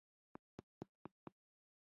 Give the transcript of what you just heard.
د نورو حقونه مه غلاء کوه